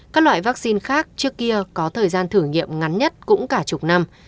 các loại vaccine khác trước kia có thời gian thử nghiệm ngắn nhất cũng cả chục năm